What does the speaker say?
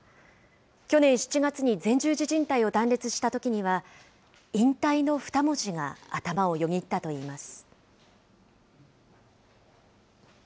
去年７月に前十字じん帯を断裂したときには、引退の二文字が頭をよぎったといいます。